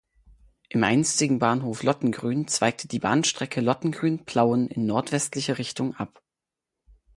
Im einstigen Bahnhof Lottengrün zweigte die Bahnstrecke Lottengrün–Plauen in nordwestliche Richtung ab.